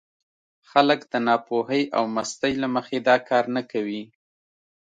خلک د ناپوهۍ او مستۍ له مخې دا کار نه کوي.